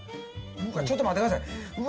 ちょっと待ってくださいうわ